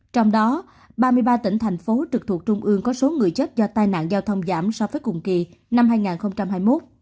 trong đó ba mươi ba tỉnh thành phố trực thuộc trung ương có số người chết do tai nạn giao thông giảm so với cùng kỳ năm hai nghìn hai mươi một